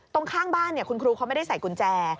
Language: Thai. ตรงข้างบ้านคุณครูเขาไม่ได้ใส่กุญแจ